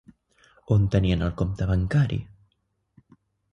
On tenien el compte bancari?